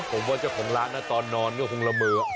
ผมว่าเจ้าของร้านนะตอนนอนก็คงละเมอ